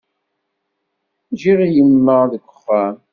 Ǧǧiɣ yemma deg uxxam.